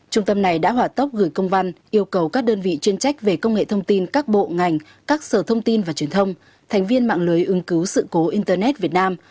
trung tâm này đã hỏa tốc gửi công văn yêu cầu các đơn vị chuyên trách về công nghệ thông tin các bộ ngành các sở thông tin và truyền thông thành viên mạng lưới ứng cứu sự cố internet việt nam